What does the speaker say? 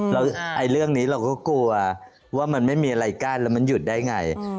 แล้วเรื่องนี้เราก็กลัวว่ามันไม่มีอะไรกั้นแล้วมันหยุดได้ไง